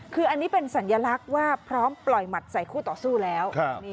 คืออันนี้เป็นสัญลักษณ์ว่าพร้อมปล่อยหมัดใส่คู่ต่อสู้แล้ว